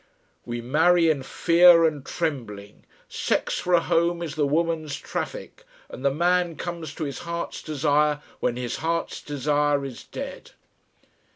"We marry in fear and trembling, sex for a home is the woman's traffic, and the man comes to his heart's desire when his heart's desire is dead."